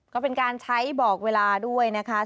ก็เป็นการใช้บอกเวลาด้วยนะคะ